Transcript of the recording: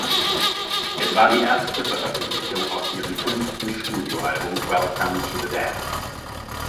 Es war die erste Veröffentlichung aus ihrem fünften Studioalbum "Welcome to the Dance".